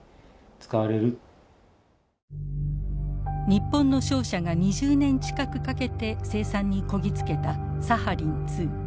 日本の商社が２０年近くかけて生産にこぎ着けたサハリン２。